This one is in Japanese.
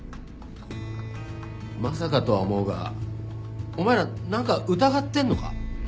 まさかとは思うがお前ら何か疑ってんのか？